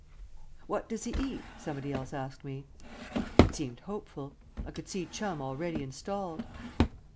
"What does he eat?" somebody else asked me. It seemed hopeful; I could see Chum already installed.